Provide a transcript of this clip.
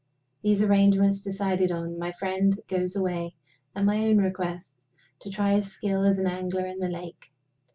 These arrangements decided on, my friend goes away (at my own request) to try his skill as an angler in the lake.